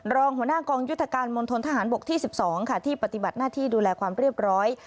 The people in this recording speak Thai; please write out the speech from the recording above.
รองหัวหน้ากองยุทธการมณฑนทหารบกที่๑๒ค่ะที่ปฏิบัติหน้าที่ดูแลความเรียบร้อย